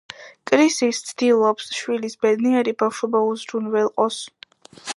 კრისი სცდილობს შვილის ბედნიერი ბავშვობა უზრუნველყოს.